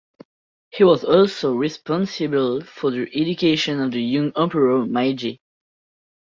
He was also responsible for the education of the young Emperor Meiji.